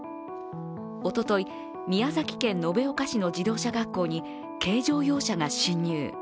おととい、宮崎県延岡市の自動車学校に軽乗用車が進入。